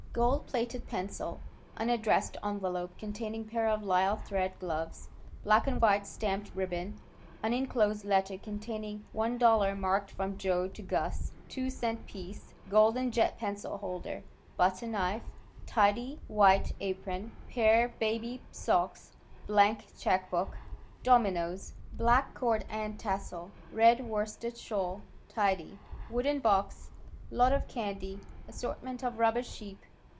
Gold plated pencil, unaddressed envelope, containing pair of lisle thread gloves, black and white stamped ribbon, uninclosed letter containing $1 marked from "Joe to Gus," two cent piece, gold and jet pencil holder, butter knife, tidy, white apron, pair baby socks, blank check book, dominoes, black cord and tassel, red worsted shawl, tidy. Wooden box, lot of candy, assortment of rubber sheep.